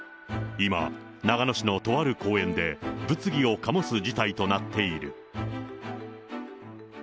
今、長野市のとある公園で、物議を醸す事態となっている。